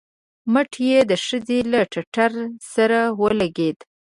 مټ يې د ښځې له ټټر سره ولګېد.